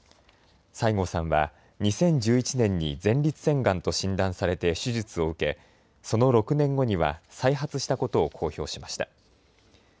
西郷さんは２０１１年に前立腺がんと診断されて手術を受け、その６年後には再発したことを公表しました。